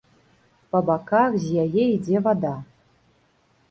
Па баках з яе ідзе вада.